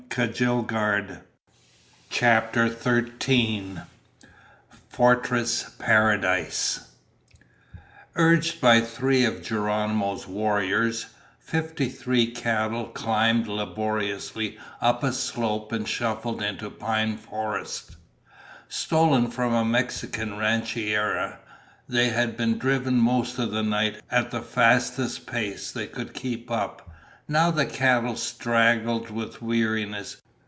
CHAPTER THIRTEEN Fortress Paradise Urged by three of Geronimo's warriors, fifty three cattle climbed laboriously up a slope and shuffled into pine forest. Stolen from a Mexican rancheria, they had been driven most of the night at the fastest pace they could keep up. Now the cattle staggered with weariness.